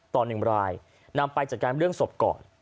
ตอนหนึ่งบรายนำไปจากการเรื่องศพก่อน